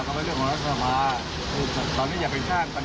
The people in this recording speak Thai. ตอนนี้อย่าไปช่างประเด็นเหล่านี้คิดเอาเองกันหมด